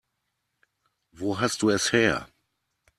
Wo hast du es her?